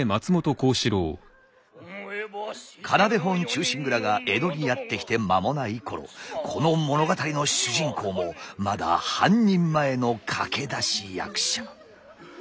「仮名手本忠臣蔵」が江戸にやって来て間もない頃この物語の主人公もまだ半人前の駆け出し役者。